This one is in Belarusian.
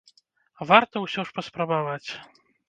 Варта ўсё ж паспрабаваць.